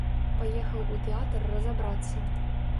Паехаў у тэатр разабрацца.